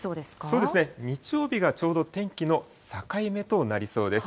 そうですね、日曜日がちょうど天気の境目となりそうです。